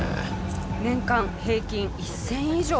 年間平均１０００以上。